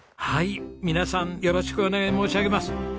はい皆さんよろしくお願い申し上げます。